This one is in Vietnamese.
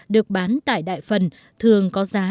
được bán tại đại phần thường có giá